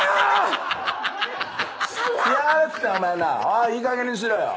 おいいいかげんにしろよ。